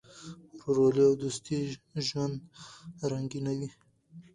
ورورولي او دوستي ژوند رنګینوي.